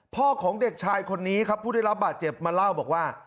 พ่อของเด็กชายคนนี้ครับผู้ได้รับบาดเจ็บมาเล่าบอกว่า